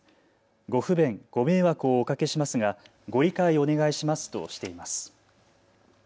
ご不便、ご迷惑をおかけしますがご理解をお願いしますとしています。